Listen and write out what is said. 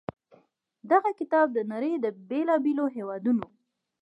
دغه کتاب د نړۍ د بېلا بېلو هېوادونو